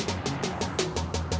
tidak ada rencana